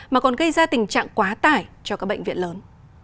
mà còn gây ra tình trạng quá tải cho các bệnh viện lớn